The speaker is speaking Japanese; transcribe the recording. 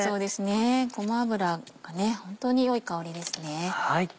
ごま油が本当に良い香りですね。